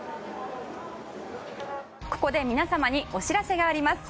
ここで皆様にお知らせがあります。